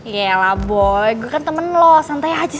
yelah boy gue kan temen lo santai aja sih